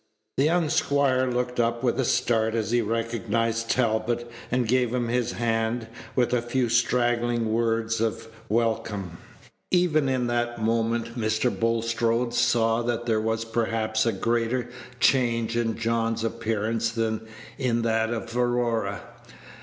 The young squire looked up with a start as he recognized Talbot, and gave him his hand, with a few straggling words of welcome. Even in that moment Mr. Bulstrode saw that there was perhaps a greater change in John's appearance than in that of Aurora.